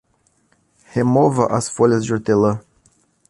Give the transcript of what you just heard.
Remova as folhas de hortelã.